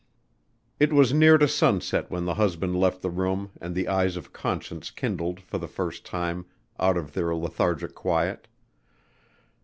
It was near to sunset when the husband left the room and the eyes of Conscience kindled for the first time out of their lethargic quiet.